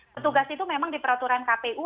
petugas itu memang di peraturan kpu